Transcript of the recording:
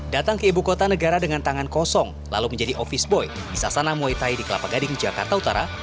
datang ke ibukota negara dengan tangan kosong lalu menjadi office boy di sasana moetai di kelapa gading jakarta utara